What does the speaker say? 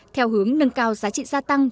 theo hướng nâng cao giá trị gia tăng